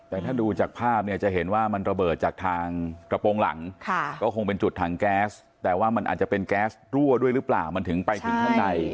แต่ถ้าดูจากภาพเนี่ยจะเห็นว่ามันระเบิดจากทางกระโปรงหลังก็คงเป็นจุดถังแก๊สแต่ว่ามันอาจจะเป็นแก๊สรั่วด้วยหรือเปล่ามันถึงไปถึงข้างใน